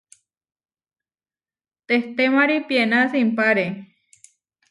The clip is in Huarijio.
Tehtémari piená simpáre.